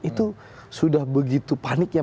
itu sudah begitu paniknya